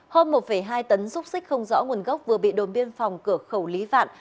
hôm một hai tấn rúc xích không rõ nguồn gốc vừa bị đồn biên phòng cửa khẩu lý vạn